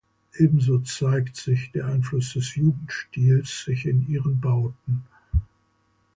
Ebenso zeigt sich der Einfluss des Jugendstils sich in ihren Bauten.